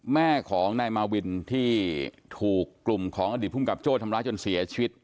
แม่ของนายมาวินที่ถูกกลุ่มของอดีตภูมิกับโจ้ทำร้ายจนเสียชีวิต